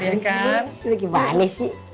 ini sih lagi bahane sih